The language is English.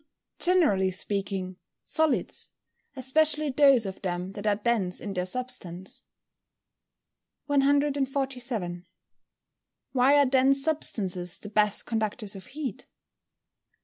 _ Generally speaking, solids, especially those of them that are dense in their substance. 147. _Why are dense substances the best conductors of heat?